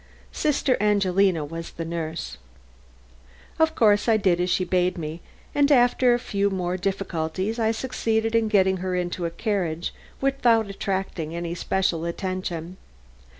Sister Angelina was the nurse. Of course I did as she bade me, and after some few more difficulties I succeeded in getting her into a carriage without attracting any special attention.